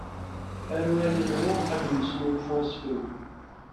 Aru ay imru ad d-nesnulfu asefru.